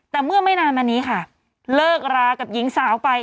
แต่เมื่อไม่นานมานี้ค่ะเลิกรากับหญิงสาวไป